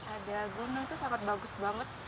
ada gunung itu sangat bagus banget